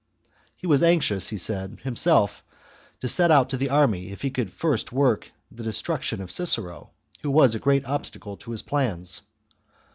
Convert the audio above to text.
He was anxious, he said, himself to set out to the army if he could first work the destruc tion of Cicero, who was a great obstacle to his plans.